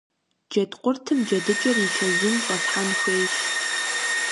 Джэдкъуртым джэдыкӀэр и чэзум щӀэлъхьэн хуейщ.